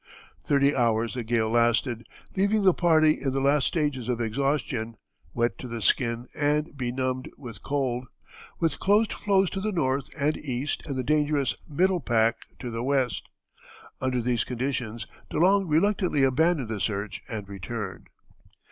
Thirty hours the gale lasted, leaving the party in the last stages of exhaustion, wet to the skin and benumbed with cold, with closed floes to the north and east and the dangerous "middle pack" to the west. Under these conditions De Long reluctantly abandoned the search and returned.